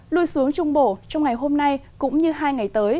lui xuống trung bộ trong ngày hôm nay cũng như hai ngày tới